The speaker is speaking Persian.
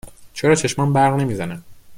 چرا چشمام برق نمی زنه؟